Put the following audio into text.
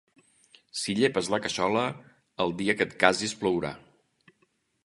Si llepes la cassola, el dia que et casis plourà.